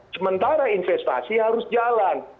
sementara investasi harus jalan